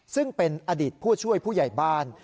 ซึ่งเป็นอดีตผู้ช่วยผู้ใหญ่บ้าน